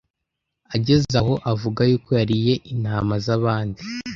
ageza aho avuga yuko yariye intama z'abandi.